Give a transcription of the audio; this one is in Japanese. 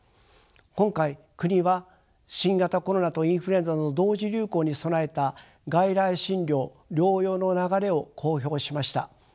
今回国は新型コロナとインフルエンザの同時流行に備えた外来診療・療養の流れを公表しました。